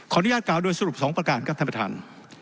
อนุญาตกล่าวโดยสรุป๒ประการครับท่านประธาน